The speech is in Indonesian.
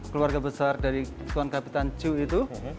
keluarga besar dari tuan kapitan chu itu